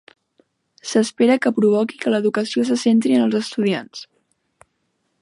S'espera que provoqui que l'educació se centri en els estudiants.